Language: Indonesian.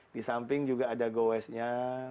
disamping juga ada go'esnya